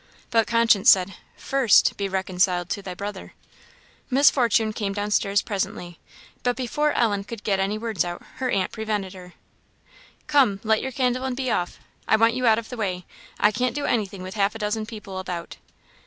But conscience said, "First be reconciled to thy brother." Miss Fortune came down stairs presently. But before Ellen could get any words out, her aunt prevented her. "Come, light your candle and be off I want you out of the way; I can't do anything with half a dozen people about."